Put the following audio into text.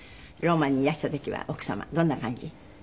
ローマにいらした時は奥様どんな感じ？